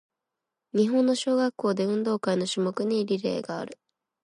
日本の小学校で、運動会の種目にリレーがある。